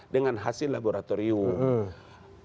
dengan hasil laboratorium